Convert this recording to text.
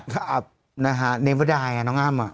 ครับนะฮะเนเวอร์ดายอ่ะน้องอ้ามอ่ะ